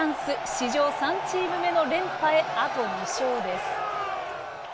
史上３チーム目の連覇へあと２勝です。